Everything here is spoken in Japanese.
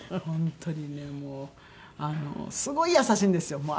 本当にねもうすごい優しいんですよ。